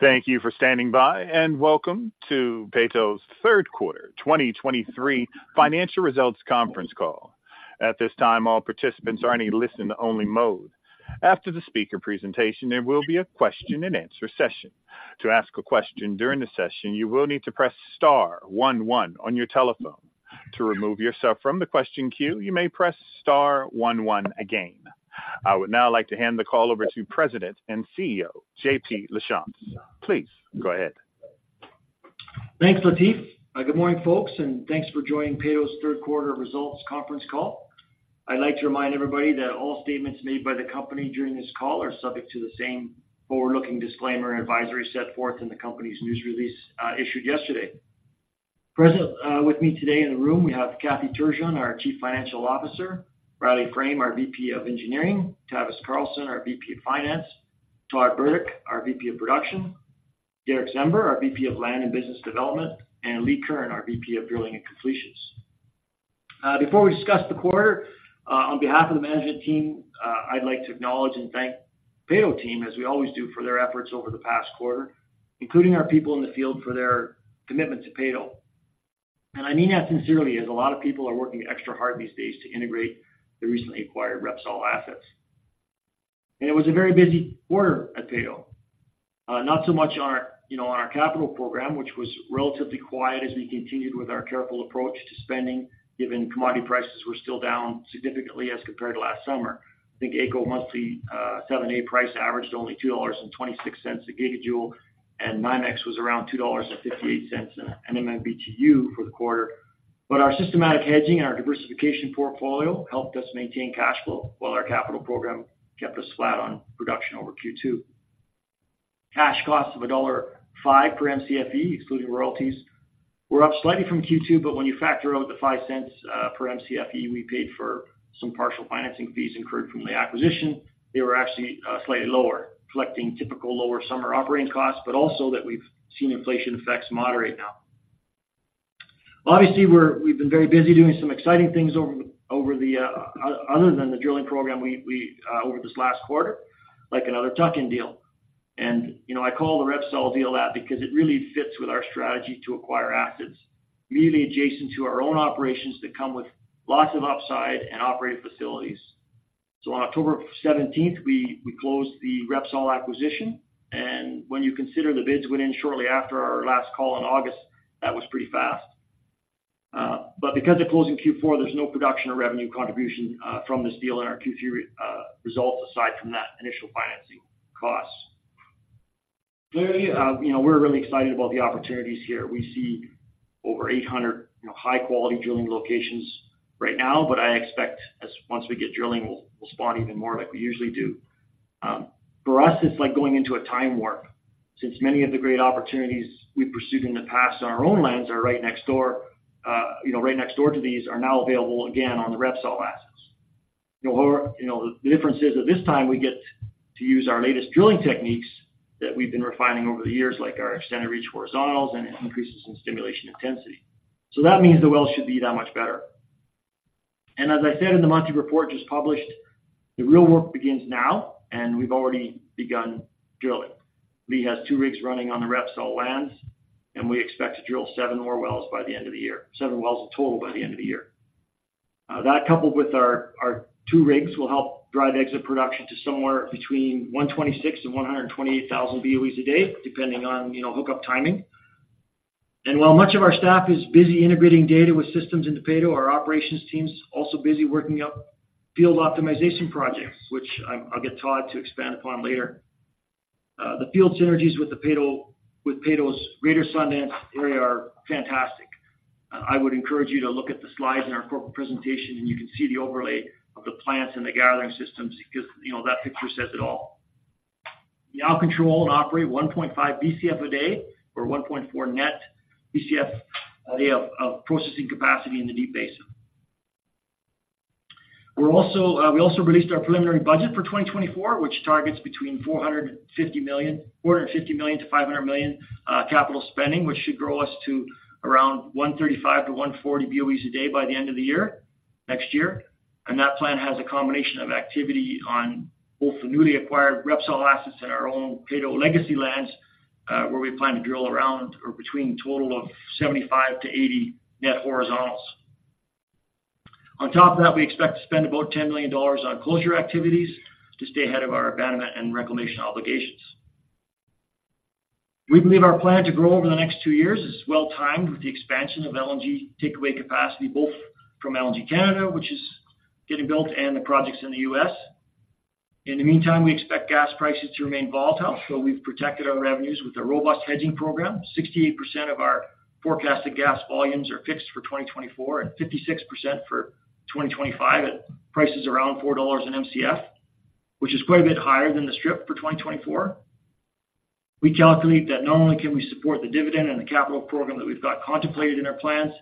Thank you for standing by, and welcome to Peyto's Q3 2023 Financial Results Conference Call. At this time, all participants are in a listen-only mode. After the speaker presentation, there will be a question-and-answer session. To ask a question during the session, you will need to press star one one on your telephone. To remove yourself from the question queue, you may press star one one again. I would now like to hand the call over to President and CEO, JP Lachance. Please go ahead. Thanks, Latif. Good morning, folks, and thanks for joining Peyto's Q3 results conference call. I'd like to remind everybody that all statements made by the company during this call are subject to the same forward-looking disclaimer and advisory set forth in the company's news release, issued yesterday. Present with me today in the room, we have Kathy Turgeon, our Chief Financial Officer, Riley Frame, our VP of Engineering, Tavis Carlson, our VP of Finance, Todd Burdick, our VP of Production, Derick Czember, our VP of Land and Business Development, and Lee Curran, our VP of Drilling and Completions. Before we discuss the quarter, on behalf of the management team, I'd like to acknowledge and thank Peyto team, as we always do, for their efforts over the past quarter, including our people in the field for their commitment to Peyto. I mean that sincerely, as a lot of people are working extra hard these days to integrate the recently acquired Repsol assets. It was a very busy quarter at Peyto. Not so much on our, you know, on our capital program, which was relatively quiet as we continued with our careful approach to spending, given commodity prices were still down significantly as compared to last summer. I think AECO monthly, seven-day price averaged only 2.26 dollars a gigajoule, and NYMEX was around $2.58 an MMBtu for the quarter. But our systematic hedging and our diversification portfolio helped us maintain cash flow, while our capital program kept us flat on production over Q2. Cash costs of dollar 1.05 per Mcfe, excluding royalties, were up slightly from Q2, but when you factor out the 0.05 per Mcfe we paid for some partial financing fees incurred from the acquisition, they were actually slightly lower, collecting typical lower summer operating costs, but also that we've seen inflation effects moderate now. Obviously, we've been very busy doing some exciting things other than the drilling program over this last quarter, like another tuck-in deal. You know, I call the Repsol deal that because it really fits with our strategy to acquire assets immediately adjacent to our own operations that come with lots of upside and operating facilities. So on October seventeenth, we closed the Repsol acquisition, and when you consider the bids went in shortly after our last call in August, that was pretty fast. But because of closing Q4, there's no production or revenue contribution from this deal in our Q3 results, aside from that initial financing costs. Clearly, you know, we're really excited about the opportunities here. We see over 800, you know, high-quality drilling locations right now, but I expect once we get drilling, we'll spot even more like we usually do. For us, it's like going into a time warp, since many of the great opportunities we've pursued in the past on our own lands are right next door, you know, right next door to these, are now available again on the Repsol assets. You know, where, you know, the difference is that this time we get to use our latest drilling techniques that we've been refining over the years, like our extended reach horizontals and increases in stimulation intensity. So that means the wells should be that much better. And as I said in the monthly report just published, the real work begins now, and we've already begun drilling. Lee has two rigs running on the Repsol lands, and we expect to drill seven more wells by the end of the year, seven wells in total by the end of the year. That, coupled with our two rigs, will help drive exit production to somewhere between 126-128 thousand BOEs a day, depending on, you know, hookup timing. While much of our staff is busy integrating data with systems into Peyto, our operations team is also busy working up field optimization projects, which I'll get Todd to expand upon later. The field synergies with Peyto's Greater Sundance area are fantastic. I would encourage you to look at the slides in our corporate presentation, and you can see the overlay of the plants and the gathering systems because, you know, that picture says it all. We now control and operate 1.5 Bcf a day, or 1.4 net Bcf a day, of processing capacity in the Deep Basin. We also released our preliminary budget for 2024, which targets between 450 million-500 million capital spending, which should grow us to around 135-140 BOEs a day by the end of the year, next year. That plan has a combination of activity on both the newly acquired Repsol assets and our own Peyto legacy lands, where we plan to drill around or between a total of 75-80 net horizontals. On top of that, we expect to spend about 10 million dollars on closure activities to stay ahead of our abandonment and reclamation obligations. We believe our plan to grow over the next two years is well-timed with the expansion of LNG takeaway capacity, both from LNG Canada, which is getting built, and the projects in the U.S. In the meantime, we expect gas prices to remain volatile, so we've protected our revenues with a robust hedging program. 68% of our forecasted gas volumes are fixed for 2024, and 56% for 2025, at prices around $4/Mcf, which is quite a bit higher than the strip for 2024. We calculate that not only can we support the dividend and the capital program that we've got contemplated in our plans,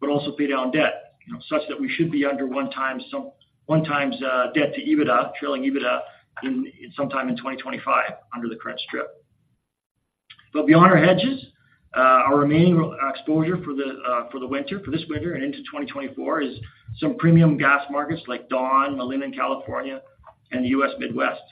but also pay down debt, you know, such that we should be under 1x debt to EBITDA, trailing EBITDA, sometime in 2025, under the current strip. But beyond our hedges, our remaining exposure for the winter, for this winter and into 2024, is some premium gas markets like Dawn, Malin in California, and the U.S. Midwest.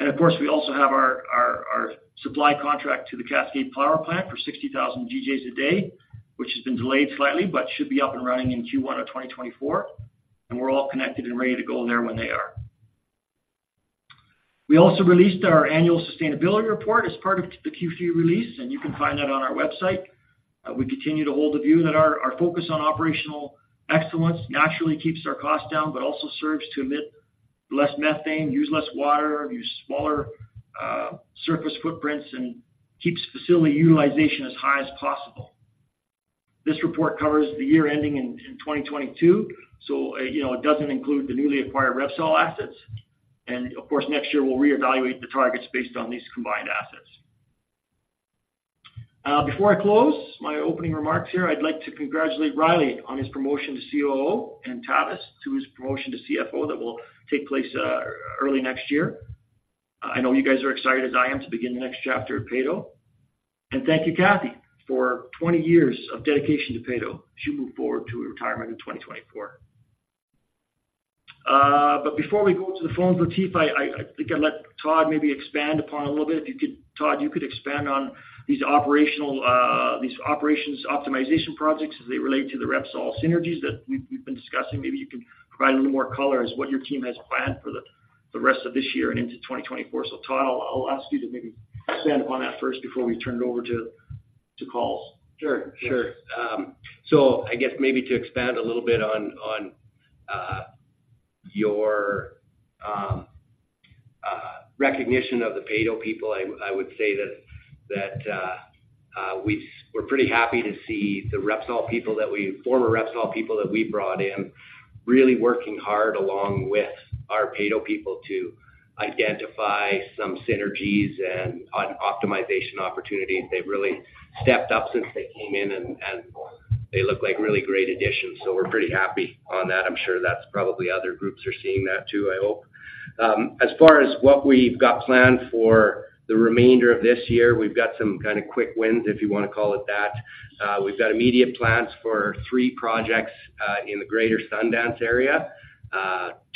Of course, we also have our supply contract to the Cascade Power Plant for 60,000 GJ a day, which has been delayed slightly, but should be up and running in Q1 of 2024, and we're all connected and ready to go in there when they are. We also released our annual sustainability report as part of the Q3 release, and you can find that on our website. We continue to hold the view that our focus on operational excellence naturally keeps our costs down, but also serves to emit less methane, use less water, use smaller surface footprints, and keeps facility utilization as high as possible. This report covers the year ending in 2022, so you know, it doesn't include the newly acquired Repsol assets. Of course, next year, we'll reevaluate the targets based on these combined assets. Before I close my opening remarks here, I'd like to congratulate Riley on his promotion to COO and Tavis to his promotion to CFO that will take place early next year. I know you guys are excited as I am to begin the next chapter at Peyto. Thank you, Kathy, for 20 years of dedication to Peyto as you move forward to a retirement in 2024. Before we go to the phone, Latif, I think I'll let Todd maybe expand upon a little bit. If you could, Todd, you could expand on these operational, these operations optimization projects as they relate to the Repsol synergies that we've been discussing. Maybe you can provide a little more color as what your team has planned for the rest of this year and into 2024. So Todd, I'll ask you to maybe expand upon that first before we turn it over to calls. Sure, sure. So I guess maybe to expand a little bit on your recognition of the Peyto people, I would say that we're pretty happy to see the former Repsol people that we brought in, really working hard along with our Peyto people to identify some synergies and optimization opportunities. They've really stepped up since they came in, and they look like really great additions, so we're pretty happy on that. I'm sure that's probably other groups are seeing that, too, I hope. As far as what we've got planned for the remainder of this year, we've got some quick wins, if you want to call it that. We've got immediate plans for three projects in the Greater Sundance area.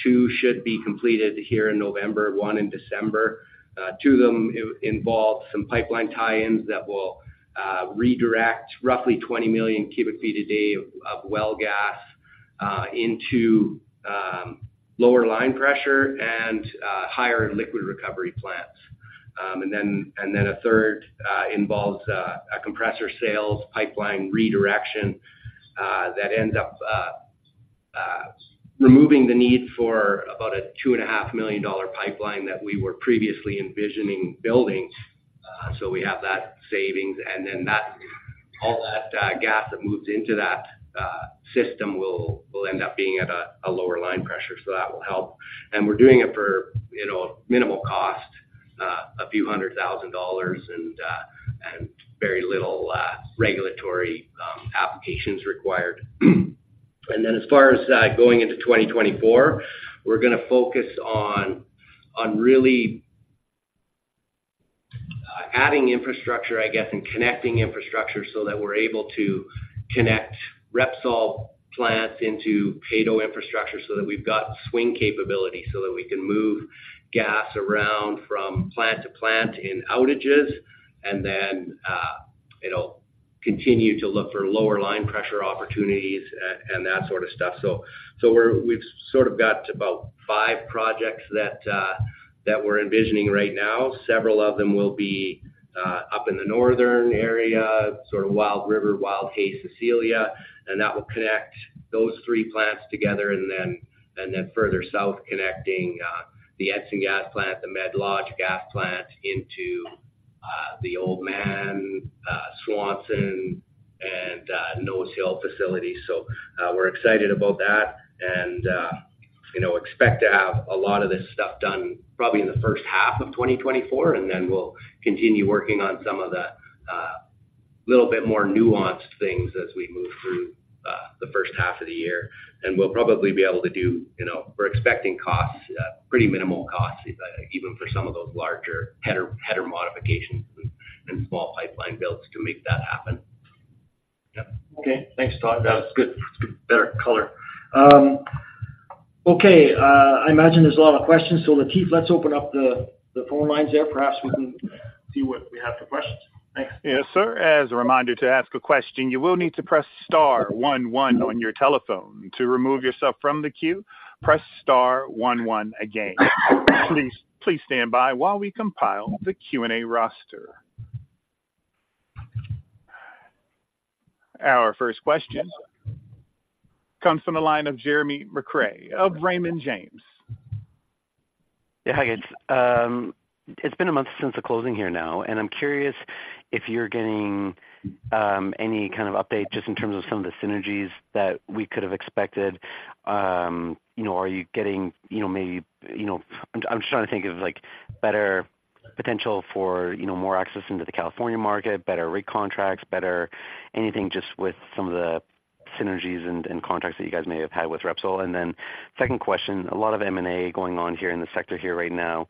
Two should be completed here in November, one in December. Two of them involve some pipeline tie-ins that will redirect roughly 20 million cubic feet a day of well gas into lower line pressure and higher liquid recovery plants. And then a third involves a compressor sales pipeline redirection that ends up removing the need for about a 2.5 million dollar pipeline that we were previously envisioning building. So we have that savings, and then that all that gas that moves into that system will end up being at a lower line pressure, so that will help. And we're doing it for, you know, minimal cost, a few hundred thousand dollars and very little regulatory applications required. And then as far as going into 2024, we're going to focus on really adding infrastructure, I guess, and connecting infrastructure so that we're able to connect Repsol plants into Peyto infrastructure so that we've got swing capability, so that we can move gas around from plant to plant in outages, and then you know, continue to look for lower line pressure opportunities and that sort of stuff. So we've sort of got about five projects that we're envisioning right now. Several of them will be up in the northern area, sort of Wild River, Wildhay, Cecilia, and that will connect those three plants together, and then further south, connecting the Edson Gas Plant, the Medlodge Gas Plant into the Oldman, Swanson, and Nosehill facilities. So, we're excited about that, and, you know, expect to have a lot of this stuff done probably in the first half of 2024, and then we'll continue working on some of the, little bit more nuanced things as we move through, the first half of the year. And we'll probably be able to do, you know we're expecting costs, pretty minimal costs, even for some of those larger header modifications and small pipeline builds to make that happen. Yep. Okay, thanks, Todd. That's good, it's good. Better color. Okay, I imagine there's a lot of questions, so Latif, let's open up the phone lines there. Perhaps we can see what we have for questions. Thanks. Yes, sir. As a reminder to ask a question, you will need to press star one one on your telephone. To remove yourself from the queue, press star one one again. Please, please stand by while we compile the Q&A roster. Our first question comes from the line of Jeremy McCrea of Raymond James. Yeah, hi, guys. It's been a month since the closing here now, and I'm curious if you're getting, any kind of update just in terms of some of the synergies that we could have expected. You know, are you getting, you know, maybe, you know... I'm, I'm just trying to think of, like, better potential for, you know, more access into the California market, better recontracts, better anything, just with some of the synergies and, and contracts that you guys may have had with Repsol. And then second question, a lot of M&A going on here in the sector here right now.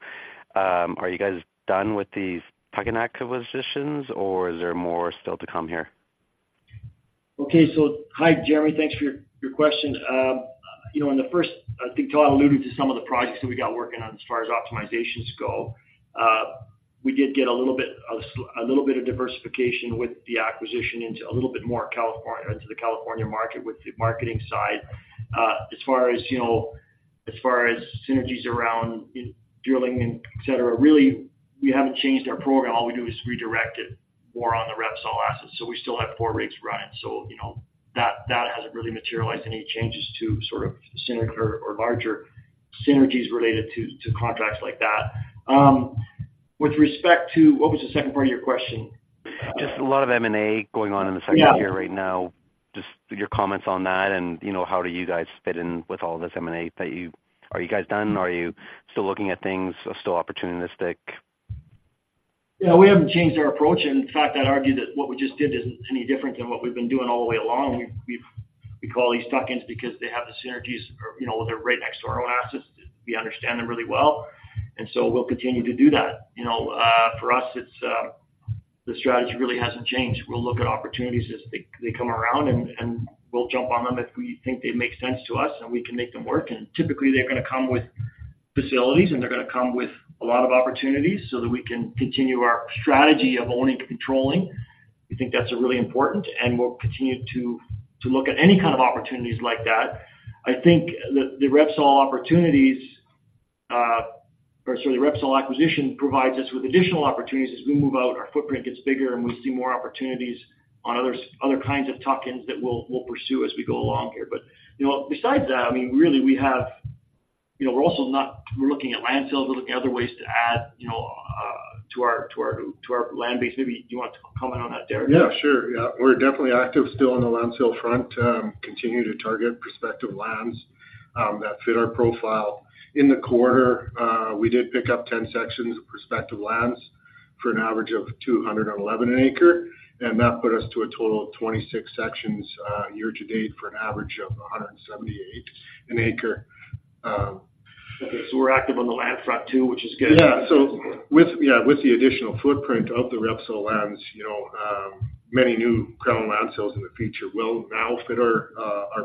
Are you guys done with these tuck-in acquisitions, or is there more still to come here? Okay. So, hi, Jeremy. Thanks for your, your question. You know, in the first, I think Todd alluded to some of the projects that we got working on as far as optimizations go. We did get a little bit of a little bit of diversification with the acquisition into a little bit more California into the California market, with the marketing side. As far as, you know, as far as synergies around drilling and et cetera, really, we haven't changed our program. All we do is redirect it more on the Repsol assets. So we still have four rigs running, so, you know, that, that hasn't really materialized any changes to sort of synergy or, or larger synergies related to, to contracts like that. With respect to... What was the second part of your question? Just a lot of M&A going on in the sector- Yeah Here right now. Just your comments on that, and, you know, how do you guys fit in with all this M&A that you are you guys done? Are you still looking at things or still opportunistic? Yeah, we haven't changed our approach, and in fact, I'd argue that what we just did isn't any different than what we've been doing all the way along. We call these tuck-ins because they have the synergies or, you know, they're right next to our own assets. We understand them really well, and so we'll continue to do that. You know, for us, it's the strategy really hasn't changed. We'll look at opportunities as they come around, and we'll jump on them if we think they make sense to us, and we can make them work. And typically, they're gonna come with facilities, and they're gonna come with a lot of opportunities so that we can continue our strategy of owning and controlling. We think that's really important, and we'll continue to look at any kind of opportunities like that. I think the Repsol acquisition provides us with additional opportunities. As we move out, our footprint gets bigger, and we see more opportunities on other kinds of tuck-ins that we'll pursue as we go along here. But you know, besides that, I mean, really, we have. You know, we're looking at land sales. We're looking at other ways to add, you know, to our land base. Maybe you want to comment on that, Derick? Yeah, sure. Yeah, we're definitely active still on the land sale front, continue to target prospective lands that fit our profile. In the quarter, we did pick up 10 sections of prospective lands for an average of 211 an acre, and that put us to a total of 26 sections, year to date for an average of 178 an acre. We're active on the land front, too, which is good. Yeah. So with the additional footprint of the Repsol lands, you know, many new Crown land sales in the future will now fit our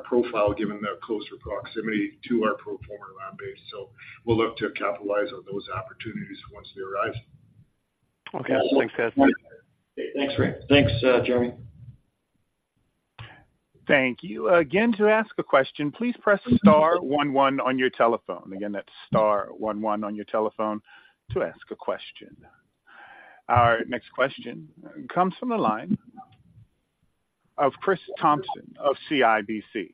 profile, given their closer proximity to our pro forma land base. So we'll look to capitalize on those opportunities once they arrive. Okay. Thanks, guys. Thanks, Greg. Thanks, Jeremy. Thank you. Again, to ask a question, please press star one one on your telephone. Again, that's star one one on your telephone to ask a question. Our next question comes from the line of Chris Thompson of CIBC.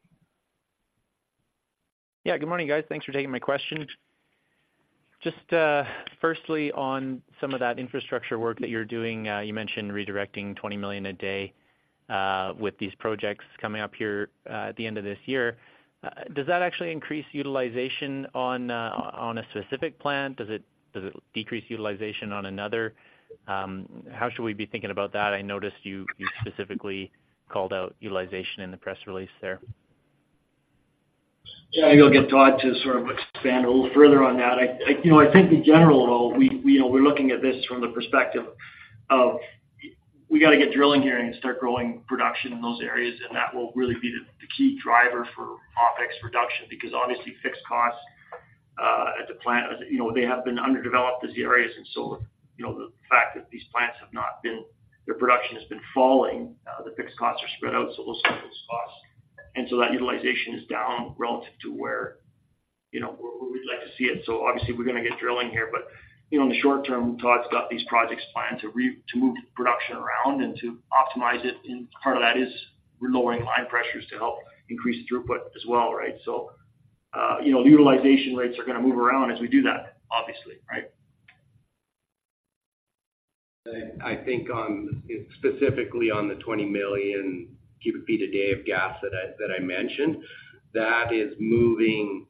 Yeah. Good morning, guys. Thanks for taking my question. Just, firstly, on some of that infrastructure work that you're doing, you mentioned redirecting 20 million a day, with these projects coming up here, at the end of this year. Does that actually increase utilization on a specific plant? Does it decrease utilization on another? How should we be thinking about that? I noticed you specifically called out utilization in the press release there. Yeah, I'll get Todd to sort of expand a little further on that. You know, I think in general, though, we, you know, we're looking at this from the perspective of, we gotta get drilling here and start growing production in those areas, and that will really be the, the key driver for OpEx reduction. Because obviously, fixed costs at the plant, you know, they have been underdeveloped, these areas, and so, you know, the fact that these plants have not been—their production has been falling, the fixed costs are spread out, so we'll see those costs. And so that utilization is down relative to where, you know, where we'd like to see it. So obviously, we're going to get drilling here. But, you know, in the short term, Todd's got these projects planned to move production around and to optimize it, and part of that is we're lowering line pressures to help increase throughput as well, right? So, you know, the utilization rates are going to move around as we do that, obviously, right? I think specifically on the 20 million cubic feet a day of gas that I mentioned, that is moving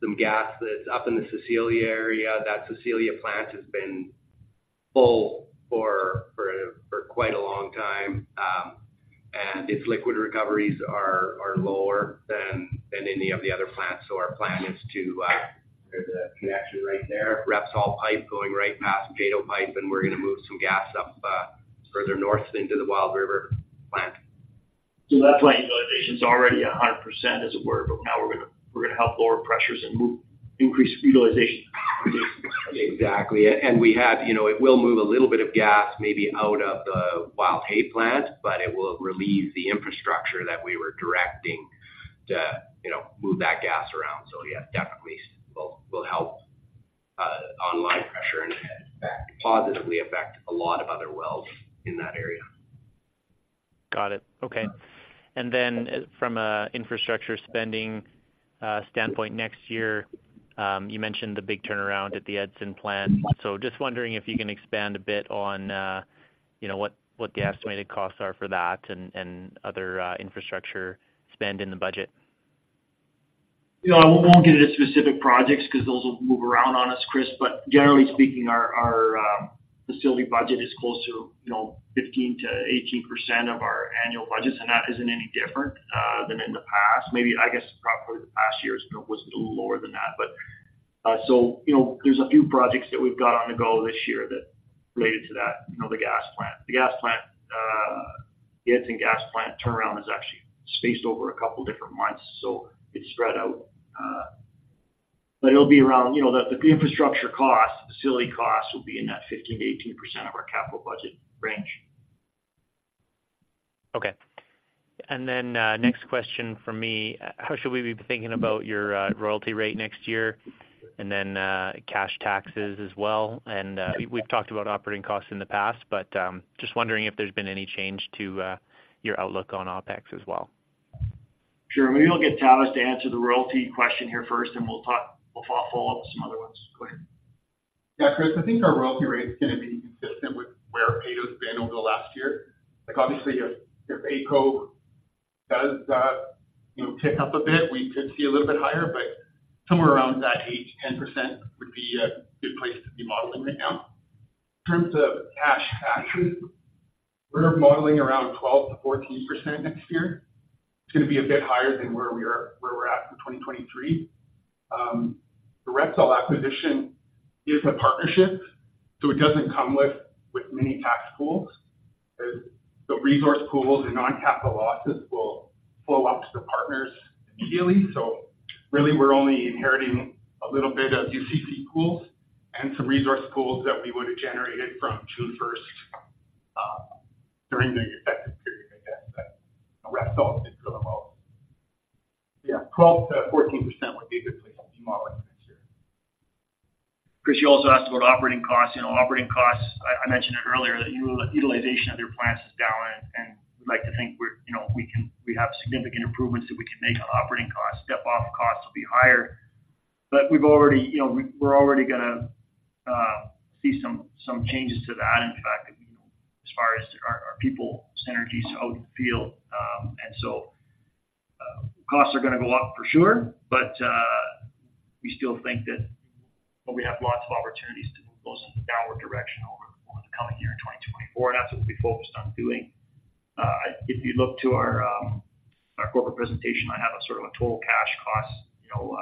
some gas that's up in the Cecilia area. That Cecilia plant has been full for quite a long time, and its liquid recoveries are lower than any of the other plants. So our plan is to there's a connection right there, Repsol pipe going right past Peyto pipe, and we're going to move some gas up further north into the Wild River plant. So that plant utilization is already 100% as it were, but now we're gonna, we're gonna help lower pressures and increase utilization. Exactly. And we have you know, it will move a little bit of gas maybe out of the Wildhay plant, but it will relieve the infrastructure that we were directing to, you know, move that gas around. So yeah, definitely will help on line pressure and positively affect a lot of other wells in that area. Got it. Okay. And then from an infrastructure spending standpoint next year, you mentioned the big turnaround at the Edson plant. So just wondering if you can expand a bit on, you know, what, what the estimated costs are for that and, and other infrastructure spend in the budget? Yeah, I won't get into specific projects because those will move around on us, Chris. But generally speaking, our facility budget is close to, you know, 15%-18% of our annual budgets, and that isn't any different than in the past. Maybe, I guess, probably the past years, you know, was a little lower than that. But so, you know, there's a few projects that we've got on the go this year that related to that, you know, the gas plant. The gas plant, the Edson gas plant turnaround is actually spaced over a couple of different months, so it's spread out. But it'll be around, you know, the infrastructure costs, facility costs will be in that 15%-18% of our capital budget range. Okay. Then, next question from me. How should we be thinking about your royalty rate next year, and then, cash taxes as well? We've talked about operating costs in the past, but just wondering if there's been any change to your outlook on OpEx as well. Sure. Maybe I'll get Tavis to answer the royalty question here first, and we'll talk - we'll follow up with some other ones. Go ahead. Yeah, Chris, I think our royalty rate is going to be consistent with where Peyto's been over the last year. Like, obviously, if AECO does, you know, pick up a bit, we could see a little bit higher, but somewhere around that 8%-10% would be a good place to be modeling right now. In terms of cash taxes, we're modeling around 12%-14% next year. It's going to be a bit higher than where we are, where we're at in 2023. The Repsol acquisition is a partnership, so it doesn't come with many tax pools. The resource pools and non-capital losses will flow up to the partners immediately. So really, we're only inheriting a little bit of UCC pools and some resource pools that we would have generated from June first, during the effective period, I guess, that Repsol did for the most. Yeah, 12%-14% would be a good place to be modeling for next year. Chris, you also asked about operating costs. You know, operating costs, I mentioned it earlier, that utilization of their plants is down, and we'd like to think we're, you know, we can we have significant improvements that we can make on operating costs. staff costs will be higher, but we've already, you know, we're already gonna see some changes to that. In fact, as far as our people, synergies out in the field, and so, costs are going to go up for sure, but we still think that we have lots of opportunities to move those in the downward direction over the coming year in 2024, and that's what we'll be focused on doing. If you look to our corporate presentation, I have a sort of a total cash cost, you know,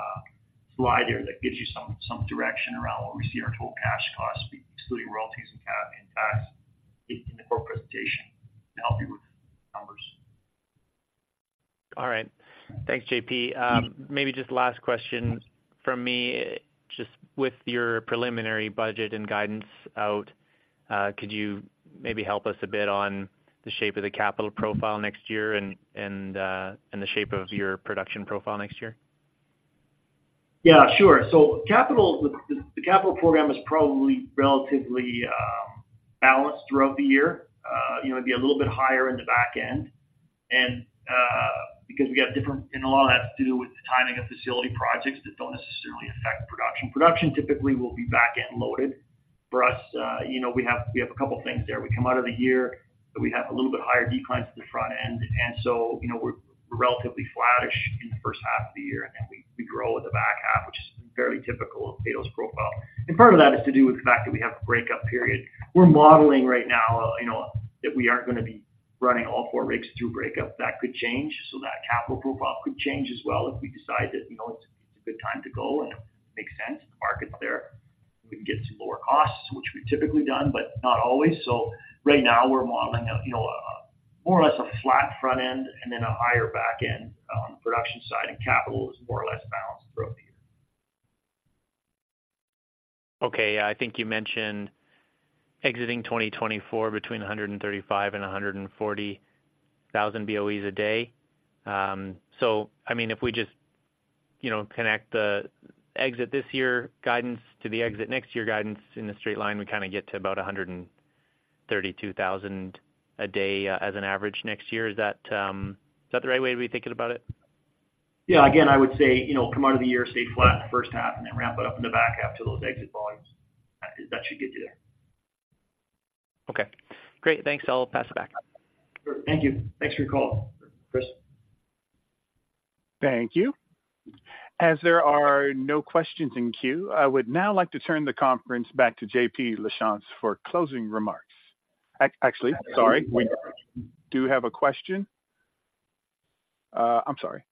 slide there that gives you some direction around where we see our total cash costs, including royalties and capital and tax in the corporate presentation to help you with numbers. All right. Thanks, JP. Maybe just last question from me. Just with your preliminary budget and guidance out, could you maybe help us a bit on the shape of the capital profile next year and the shape of your production profile next year? Yeah, sure. So capital, the capital program is probably relatively balanced throughout the year. You know, it'd be a little bit higher in the back end. And because we have different, and a lot of that has to do with the timing of facility projects that don't necessarily affect production. Production typically will be back end loaded. For us, you know, we have a couple of things there. We come out of the year, so we have a little bit higher declines at the front end. And so, you know, we're relatively flattish in the first half of the year, and then we grow in the back half, which is fairly typical of Peyto's profile. And part of that is to do with the fact that we have a breakup period. We're modeling right now, you know, that we aren't going to be running all four rigs through breakup. That could change, so that capital profile could change as well if we decide that, you know, it's a good time to go and it makes sense, the market's there. We can get to lower costs, which we've typically done, but not always. So right now, we're modeling, you know, more or less a flat front end and then a higher back end on the production side, and capital is more or less balanced throughout the year. Okay, I think you mentioned exiting 2024 between 135 and 140 thousand BOEs a day. So I mean, if we just, you know, connect the exit this year guidance to the exit next year guidance in a straight line, we kind of get to about 132 thousand a day, as an average next year. Is that, is that the right way to be thinking about it? Yeah. Again, I would say, you know, come out of the year, stay flat in the first half, and then ramp it up in the back half to those exit volumes. That should get you there. Okay, great. Thanks. I'll pass it back. Sure. Thank you. Thanks for your call, Chris. Thank you. As there are no questions in queue, I would now like to turn the conference back to JP Lachance for closing remarks. Actually, sorry, we do have a question. I'm sorry.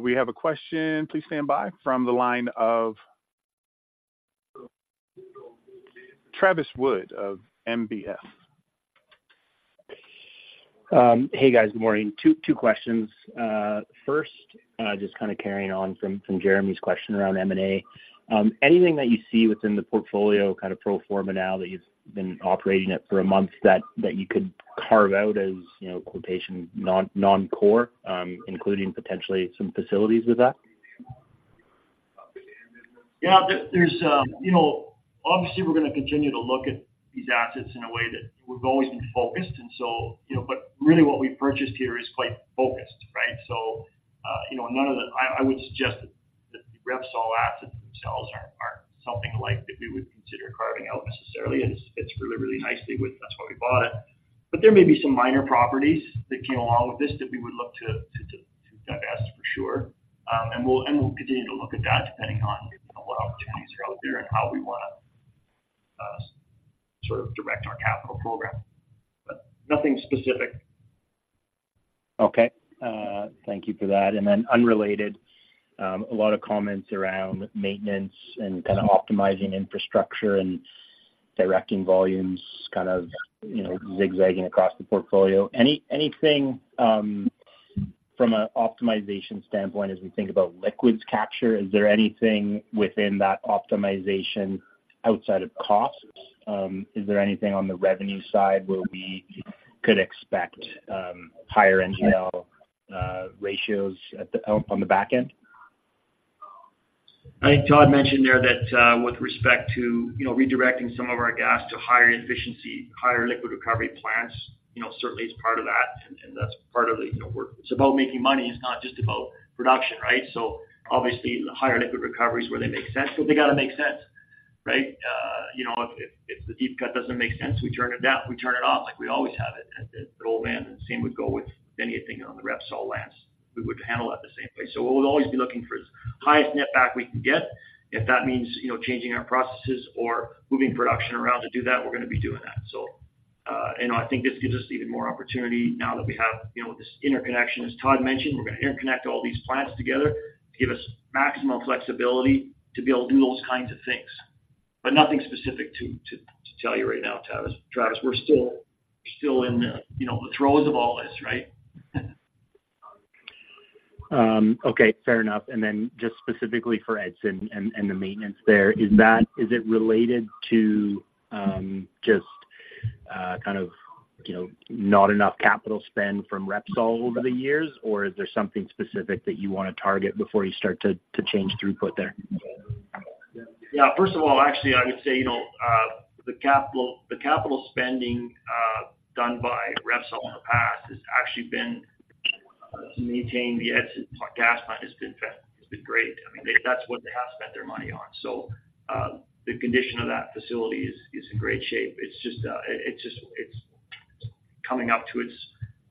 We have a question. Please stand by from the line of Travis Wood of NBF. Hey, guys. Good morning. Two questions. First, just kind of carrying on from Jeremy's question around M&A. Anything that you see within the portfolio kind of pro forma now that you've been operating it for a month, that you could carve out as, you know, "non-core," including potentially some facilities with that? Yeah, there's you know, obviously, we're going to continue to look at these assets in a way that we've always been focused. You know, but really what we purchased here is quite focused, right? So, you know, none of the... I would suggest that the Repsol assets themselves aren't something like that we would consider carving out necessarily. It fits really, really nicely with. That's why we bought it. But there may be some minor properties that came along with this that we would look to divest, for sure. And we'll continue to look at that depending on what opportunities are out there and how we wanna sort of direct our capital program. But nothing specific. Okay. Thank you for that. Then unrelated, a lot of comments around maintenance and kind of optimizing infrastructure and directing volumes, kind of, you know, zigzagging across the portfolio. Anything from a optimization standpoint, as we think about liquids capture, is there anything within that optimization outside of costs? Is there anything on the revenue side where we could expect higher NGL ratios at the, on the back end? I think Todd mentioned there that, with respect to, you know, redirecting some of our gas to higher efficiency, higher liquid recovery plants, you know, certainly is part of that, and that's part of the, you know, we're It's about making money, it's not just about production, right? So obviously, the higher liquid recovery is where they make sense, but they gotta make sense, right? You know, if the deep cut doesn't make sense, we turn it down, we turn it off, like we always have at Oldman, and the same would go with anything on the Repsol lands. We would handle that the same way. So we'll always be looking for the highest net back we can get. If that means, you know, changing our processes or moving production around to do that, we're gonna be doing that. So, and I think this gives us even more opportunity now that we have, you know, this interconnection. As Todd mentioned, we're gonna interconnect all these plants together to give us maximum flexibility to be able to do those kinds of things. But nothing specific to tell you right now, Travis. Travis, we're still in the throes of all this, you know, right? Okay, fair enough. And then just specifically for Edson and the maintenance there, is that, is it related to, just, kind of, you know, not enough capital spend from Repsol over the years? Or is there something specific that you want to target before you start to change throughput there? Yeah. First of all, actually, I would say, you know, the capital, the capital spending done by Repsol in the past has actually been to maintain the Edson gas plant has been great. I mean, they. That's what they have spent their money on. So, the condition of that facility is in great shape. It's just, it's coming up to its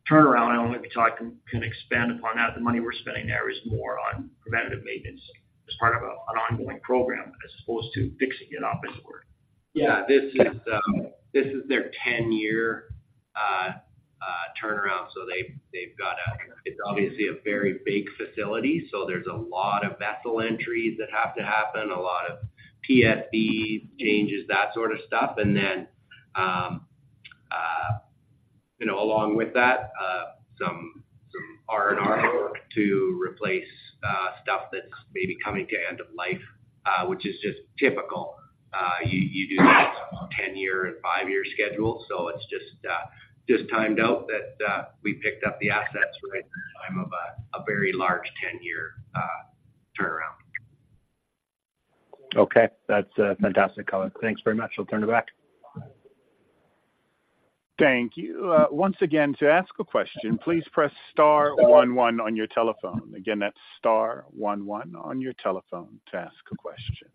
turnaround. I'll let Todd expand upon that. The money we're spending there is more on preventative maintenance as part of an ongoing program, as opposed to fixing it up, as it were. Yeah, this is their 10-year turnaround, so they've got a... It's obviously a very big facility, so there's a lot of vessel entries that have to happen, a lot of PSE changes, that sort of stuff. And then, you know, along with that, some R&R work to replace stuff that's maybe coming to end of life, which is just typical. You do that 10-year and 5-year schedule, so it's just timed out that we picked up the assets right in the time of a very large 10-year turnaround. Okay. That's fantastic color. Thanks very much. I'll turn it back. Thank you. Once again, to ask a question, please press star one one on your telephone. Again, that's star one one on your telephone to ask a question.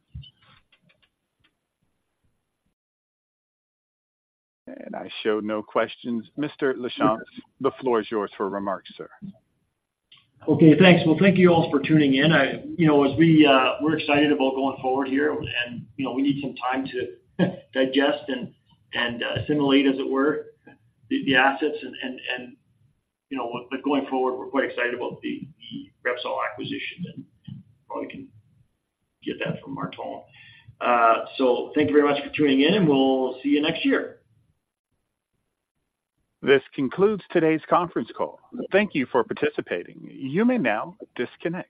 I show no questions. Mr. Lachance, the floor is yours for remarks, sir. Okay, thanks. Well, thank you all for tuning in. You know, as we, we're excited about going forward here and, you know, we need some time to digest and, and, assimilate, as it were, the, the assets. And, and, and, you know, but going forward, we're quite excited about the, the Repsol acquisition, and you probably can get that from Martin. So thank you very much for tuning in, and we'll see you next year. This concludes today's conference call. Thank you for participating. You may now disconnect.